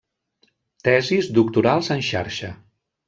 Tesis Doctorals en Xarxa.